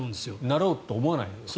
なろうと思わないわけですから。